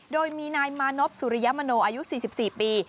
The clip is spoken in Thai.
โดยมีนายมานพสุริยมโนอายุ๔๔ปี